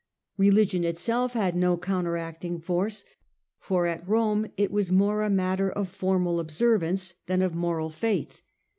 Religion itself had no counteracting force, for at Rome it was a matter more of formal observance than of moral faith.